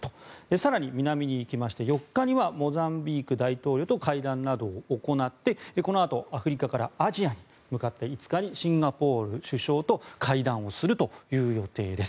更に南に行きまして４日にはモザンビーク大統領と会談などを行ってこのあとアフリカからアジアに向かって５日にシンガポール首相と会談をするという予定です。